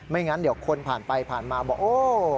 งั้นเดี๋ยวคนผ่านไปผ่านมาบอกโอ้